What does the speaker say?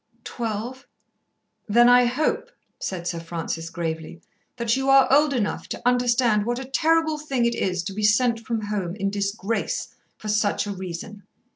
"Twelve." "Then I hope," said Sir Francis gravely, "that you are old enough to understand what a terrible thing it is to be sent from home in disgrace for such a reason.